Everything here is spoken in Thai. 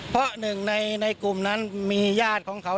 เพราะหนึ่งในกลุ่มนั้นมีญาติของเขา